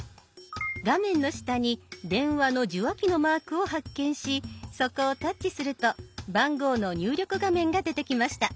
画面の下に電話の受話器のマークを発見しそこをタッチすると番号の入力画面が出てきました。